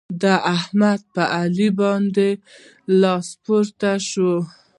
د احمد پر علي باندې لاس پورته شو.